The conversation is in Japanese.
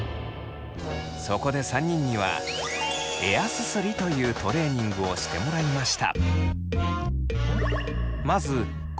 そこで３人には「エアすすり」というトレーニングをしてもらいました。